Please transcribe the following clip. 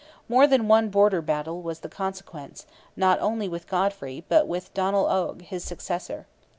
More than one border battle was the consequence, not only with Godfrey, but with Donnell Oge, his successor.